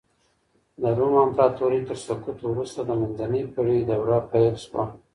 د روم امپراطورۍ تر سقوط وروسته د منځنۍ پېړۍ دوره پيل سوه.